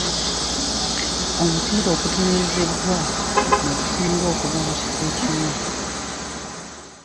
Omupiira ogutereezebbwa ne gusimulwa okuva mu kifo ekimu.